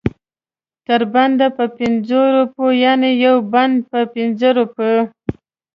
تر بنده په پنځو روپو یعنې یو بند په پنځه روپۍ.